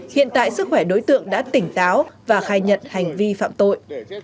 hiện tại sức khỏe đối tượng đã tỉnh táo và khai nhận hành vi phạm tội